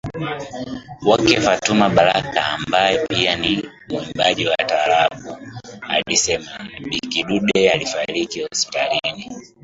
wake Fatuma Baraka ambaye pia ni muimbaji wa Taraabu Alisema Bi Kidude alifariki hospitalini